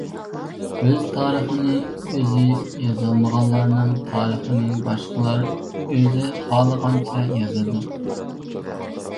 ئۆز تارىخىنى ئۆزى يازالمىغانلارنىڭ تارىخىنى باشقىلار ئۆزى خالىغانچە يازىدۇ.